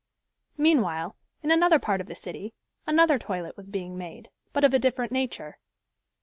Meanwhile in another part of the city, another toilet was being made, but of a different nature.